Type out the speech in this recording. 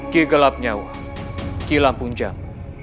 ki gelap nyawa ki lampun jam